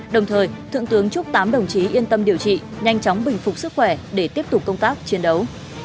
đồng thời thượng tướng chúc tám đồng chí yên tâm điều trị nhanh chóng bình phục sức khỏe để tiếp tục công tác chiến đấu